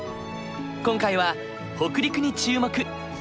今回は北陸に注目。